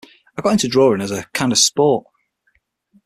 I got into drawing as a kind of sport.